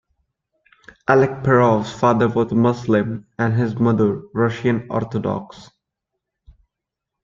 Alekperov's father was a Muslim and his mother, Russian Orthodox.